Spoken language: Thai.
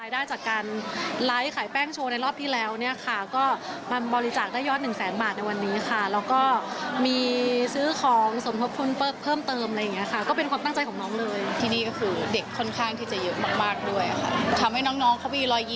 ด้วยมาทำบุญแล้วก็เราก็รู้สึกดี